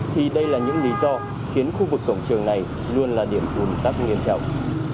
thì đây là những lý do khiến khu vực cổng trường này luôn là điểm ủn tắc nghiêm trọng